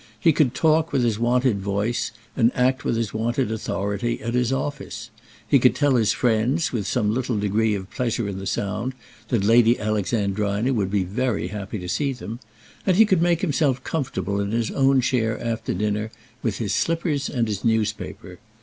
He could talk with his wonted voice, and act with his wonted authority at his office. He could tell his friends, with some little degree of pleasure in the sound, that Lady Alexandrina would be very happy to see them. And he could make himself comfortable in his own chair after dinner, with his slippers and his newspaper.